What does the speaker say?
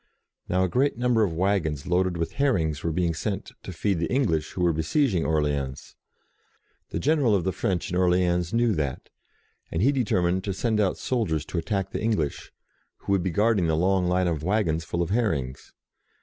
Now a great number of wag gons loaded with herrings were being sent to feed the English who were besieging Orleans. The general of the French in Orleans knew that, and he determined to send out soldiers to attack the English who would be guarding the long line of waggons full of herrings.